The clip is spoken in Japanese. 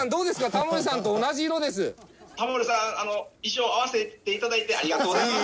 タモリさん衣装合わせて頂いてありがとうございます。